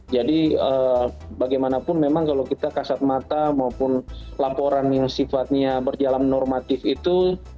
jadi bagaimanapun memang kalau kita kasat mata maupun laporan yang sifatnya berjalan normatif itu